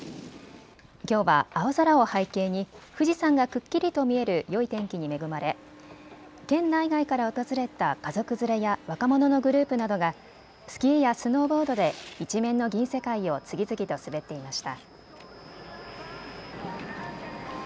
きょうは青空を背景に富士山がくっきりと見えるよい天気に恵まれ県内外から訪れた家族連れや若者のグループなどがスキーやスノーボードで一面の銀世界を次々と滑っていました。